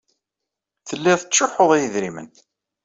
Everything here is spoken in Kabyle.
Tellid tettcuḥḥud i yedrimen.